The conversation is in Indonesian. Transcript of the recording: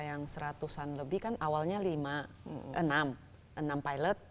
yang seratusan lebih kan awalnya enam pilot